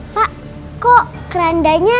pak kok kerandanya